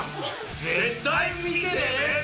絶対見てね！